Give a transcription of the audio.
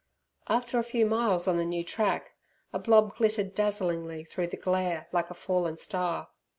After a few miles on the new track, a blob glittered dazzlingly through the glare, like a fallen star.